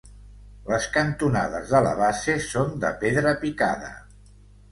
Les cantonades de la base són de pedra picada.